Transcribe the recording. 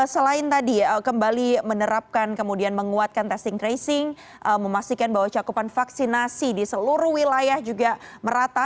selain tadi kembali menerapkan kemudian menguatkan testing tracing memastikan bahwa cakupan vaksinasi di seluruh wilayah juga merata